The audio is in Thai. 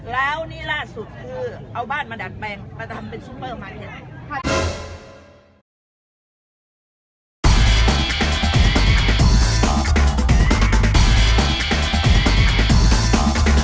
แล้วนี่ล่าสุดคือเอาบ้านมาดัดแปลงมาทำเป็นซูเปอร์มาร์เฮียน